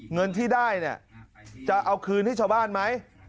เงินที่ได้เนี่ยจะเอาคืนให้ชาวบ้านไหม